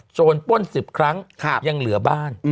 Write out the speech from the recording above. ป้น๑๐ครั้งยังเหลือบ้าน